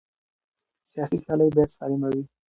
سیاسي سیالۍ باید سالمه وي